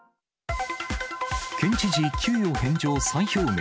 県知事給与返上再表明。